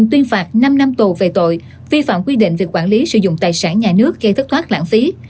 tuyên phạt năm năm tù về tội vi phạm quy định về quản lý sử dụng tài sản nhà nước gây thất thoát lãng phí